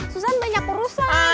susah banyak urusan